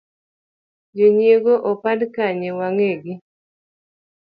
jonyiego opand kanye wangegi?